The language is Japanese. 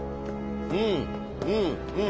うんうんうん。